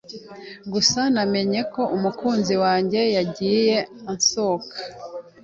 Gusa namenye ko umukunzi wanjye yagiye ansohoka.